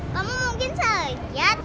kamu mungkin selidat